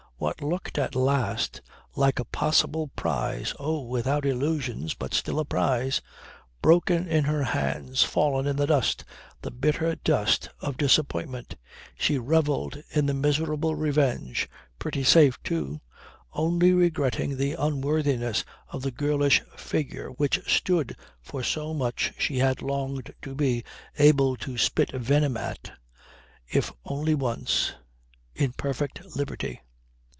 What looked at last like a possible prize (oh, without illusions! but still a prize) broken in her hands, fallen in the dust, the bitter dust, of disappointment, she revelled in the miserable revenge pretty safe too only regretting the unworthiness of the girlish figure which stood for so much she had longed to be able to spit venom at, if only once, in perfect liberty.